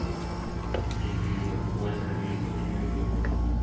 Il film può essere visto su YouTube.